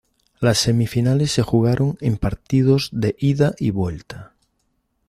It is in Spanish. Las semifinales se jugaron en partidos de ida y vuelta.